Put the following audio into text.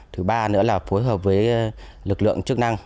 thứ ba nữa là phối hợp với lực lượng chức năng